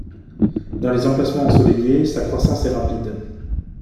Dans les emplacements ensoleillés, sa croissance est rapide.